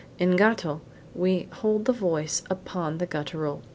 In gatto we hold the voice upon the guttural g.